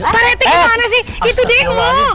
parete gimana sih itu demo